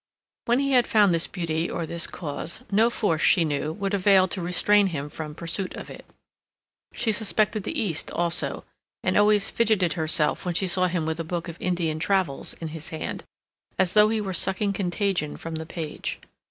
When he had found this beauty or this cause, no force, she knew, would avail to restrain him from pursuit of it. She suspected the East also, and always fidgeted herself when she saw him with a book of Indian travels in his hand, as though he were sucking contagion from the page.